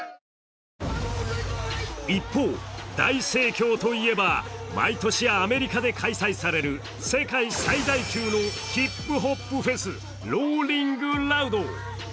一方、大盛況といえば毎年アメリカで開催される世界最大級のヒップホップフェス、ローリング・ラウド。